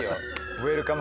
ウェルカム